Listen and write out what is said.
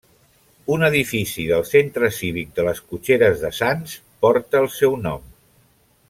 Un edifici del Centre Cívic de les Cotxeres de Sants porta el seu nom.